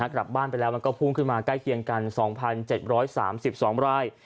กลับบ้านไปแล้วมันก็พุ่งขึ้นมาใกล้เคียงกัน๒๗๓๒ราย